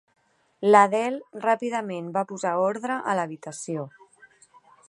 L'Adele ràpidament va posar ordre a l'habitació.